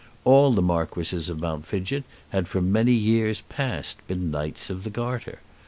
All the Marquises of Mount Fidgett had for many years past been Knights of the Garter.